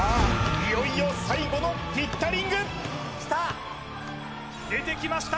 いよいよ最後のピッタリング出てきました